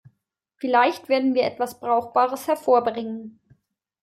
Vielleicht werden wir etwas Brauchbares hervorbringen.